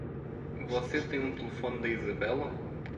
Você tem um telefone da Izabela?